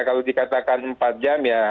kalau dikatakan empat jam ya